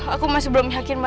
aku masih belum yakin